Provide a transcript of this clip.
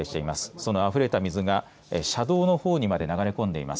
そのあふれた水が車道のほうの側まで流れ込んでいます。